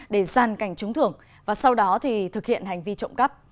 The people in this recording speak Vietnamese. để giàn cảnh trúng thưởng và sau đó thực hiện hành vi trộm cắp